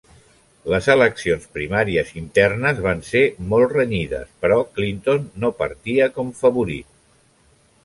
Les eleccions primàries internes van ser molt renyides però Clinton no partia com favorit.